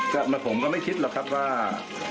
ก็ผมก็ไม่คิดหรอกครับว่า